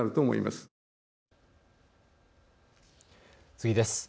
次です。